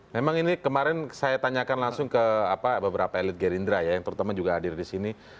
memang ini kemarin saya tanyakan langsung ke beberapa elit gerindra ya yang terutama juga hadir di sini